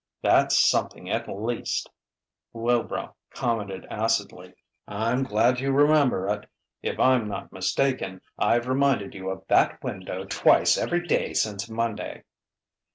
"That's something, at least!" Wilbrow commented acidly. "I'm glad you remember it. If I'm not mistaken, I've reminded you of that window twice every day since Monday."